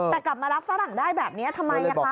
แต่กลับมารับฝรั่งได้แบบนี้ทำไมคะ